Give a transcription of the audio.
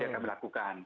yang kami lakukan